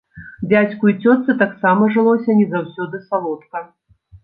Дзядзьку і цётцы таксама жылося не заўсёды салодка.